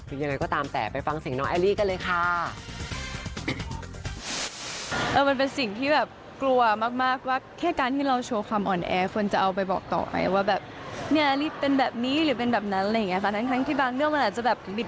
ยังไงก็ตามแต่ไปฟังเสียงน้องแอลลี่กันเลยค่ะ